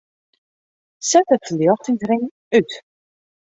Set de ferljochtingsring út.